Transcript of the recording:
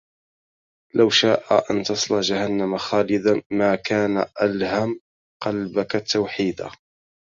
لو شــاء أن تصلى جهنم خالـدا... ما كان أَلْهمَ قلبك التوحيــدا